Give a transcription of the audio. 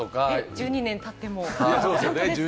１２年経っても？